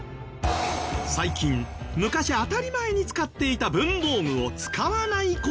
最近昔当たり前に使っていた文房具を使わない子どもが急増。